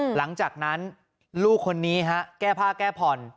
หลังจากนั้นลูกคนนี้ฮะแก้ผ้าแก้ผ่อน